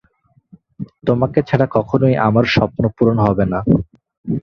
তোমাকে ছাড়া কখনোই আমার স্বপ্ন পূরণ হবে না!